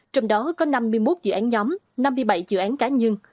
trong đó có năm mươi một dự án nhóm năm mươi bảy dự án cá nhân